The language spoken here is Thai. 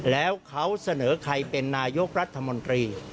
แล้วเขาเสนอใครเป็นนายกรัฐมนตรี